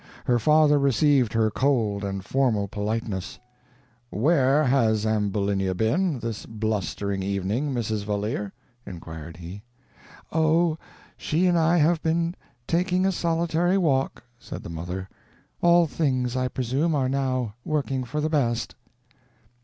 Her father received her cold and formal politeness "Where has Ambulinia been, this blustering evening, Mrs. Valeer?" inquired he. "Oh, she and I have been taking a solitary walk," said the mother; "all things, I presume, are now working for the best."